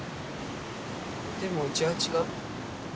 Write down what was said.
でもうちは違う。